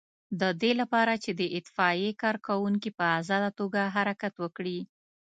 د دې لپاره چې د اطفائیې کارکوونکي په آزاده توګه حرکت وکړي.